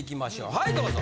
はいどうぞ！